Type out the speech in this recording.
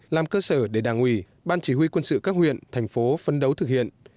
làm cơ sở để đảng ủy ban chỉ huy quân sự các huyện thành phố phân đấu thực hiện